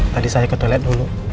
tadi saya ke toilet dulu